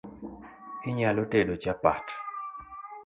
Inyalo tedo chapat